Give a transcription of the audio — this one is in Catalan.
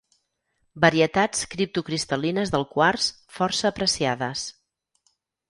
Varietats criptocristal·lines del quars força apreciades.